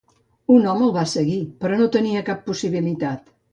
Un home el va seguir, però no tenia cap possibilitat.